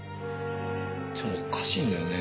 でもおかしいんだよね。